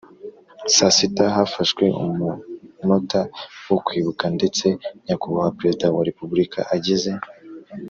Saa sita hafashwe umunota wo Kwibuka ndetse Nyakubahwa Perezida wa Repubulika ageza